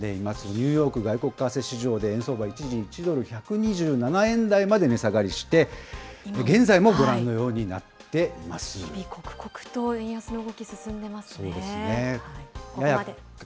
ニューヨーク外国為替市場で円相場、一時１ドル１２７円台まで値下がりして、現在もご覧のように日々刻々と円安の動き進んでそうですね。